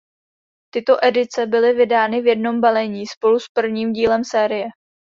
Tyto edice byly vydány v jednom balení spolu s prvním dílem série.